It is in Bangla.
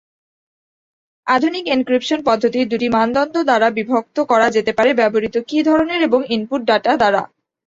আধুনিক এনক্রিপশন পদ্ধতি দুটি মানদণ্ড দ্বারা বিভক্ত করা যেতে পারে: ব্যবহৃত কী ধরনের এবং ইনপুট ডেটা দ্বারা।